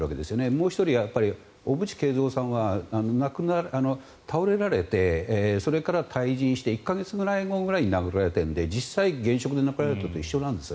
もう１人は小渕恵三さんは倒れられてそれから退陣して１か月後ぐらいに亡くなられているので実際、現職で亡くなられたのと一緒なんです。